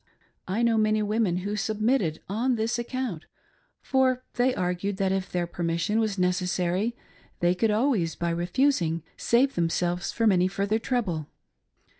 I know many women who submitted on this ac count, for they argued that if their permission was necessary, they could always, by refusing, save themselves from any further trouble.